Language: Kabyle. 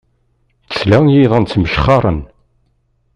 Tesla i yiḍan ttmejxaren.